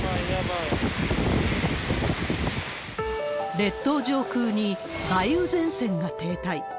列島上空に梅雨前線が停滞。